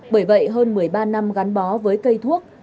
bởi vậy hơn một mươi ba năm gắn bó với cây thuốc